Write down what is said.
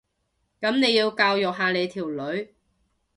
噉你要教育下你條女